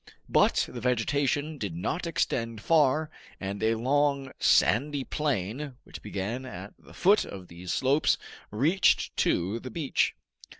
But the vegetation did not extend far, and a long, sandy plain, which began at the foot of these slopes, reached to the beach.